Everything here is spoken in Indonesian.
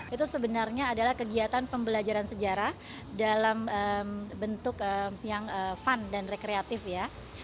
itu sebenarnya adalah kegiatan pembelajaran sejarah dalam bentuk yang fun dan rekreatif ya